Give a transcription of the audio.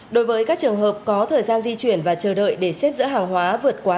đối với các trường hợp có thời gian di chuyển và chờ đợi để xếp dỡ hàng hóa vượt quá